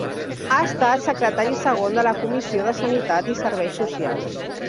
Ha estat secretari Segon de la Comissió de Sanitat i Serveis Socials.